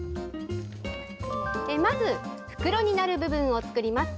まず袋になる部分を作ります。